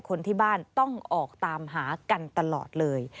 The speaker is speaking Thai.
คนที่บ้านต้องออกตามหากันตลอดเลย